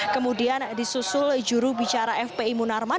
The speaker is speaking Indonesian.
kemudian disusul juru bicara fpi munarman